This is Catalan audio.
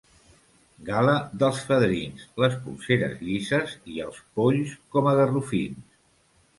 Gala dels fadrins: les polseres llises i els polls com a garrofins.